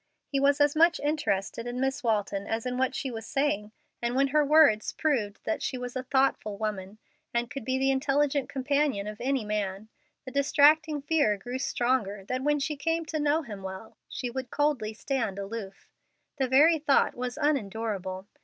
He was as much interested in Miss Walton as in what she was saying, and when her words proved that she was a thoughtful woman, and could be the intelligent companion of any man, the distracting fear grew stronger that when she came to know him well, she would coldly stand aloof. The very thought was unendurable.